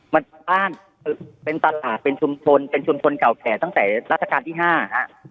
มันบ้านเป็นตลาดเป็นชุมชนเป็นชุมชนเก่าแก่ตั้งแต่รัชกาลที่๕ฮะ